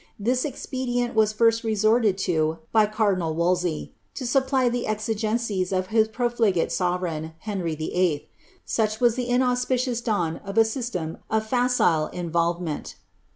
This expedient was first resorted to by cardinal Wolsey, to supply the exigencies of his profligate sovereign, Henry Ylll. Such was the inauspicious dawn of a system of facile involvement.